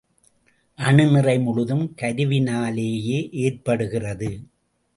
அணுநிறை முழுதும் கருவினா லேயே ஏற்படுகிறது.